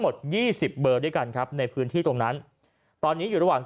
ยี่สิบเบอร์ด้วยกันครับในพื้นที่ตรงนั้นตอนนี้อยู่ระหว่าง